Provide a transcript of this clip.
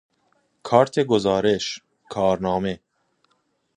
کارت گزارش، کارنامه